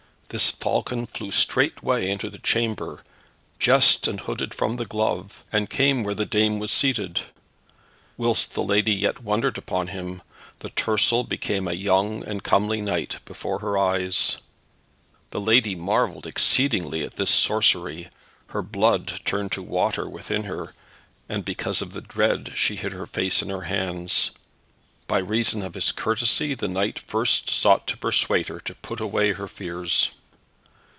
This falcon flew straightway into the chamber, jessed and hooded from the glove, and came where the dame was seated. Whilst the lady yet wondered upon him, the tercel became a young and comely knight before her eyes. The lady marvelled exceedingly at this sorcery. Her blood turned to water within her, and because of her dread she hid her face in her hands. By reason of his courtesy the knight first sought to persuade her to put away her fears.